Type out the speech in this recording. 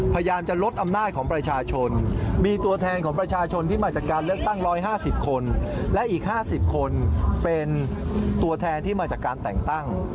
เป็นตัวแทนที่มาจากการแต่งตั้ง